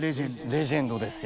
レジェンドですよ。